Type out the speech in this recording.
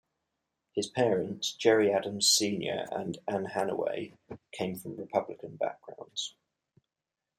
His parents, Gerry Adams, Senior and Anne Hannaway, came from republican backgrounds.